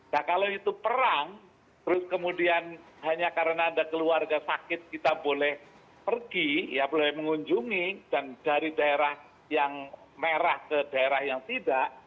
nah kalau itu perang terus kemudian hanya karena ada keluarga sakit kita boleh pergi ya boleh mengunjungi dan dari daerah yang merah ke daerah yang tidak